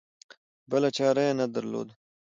بله چاره یې نه درلوده.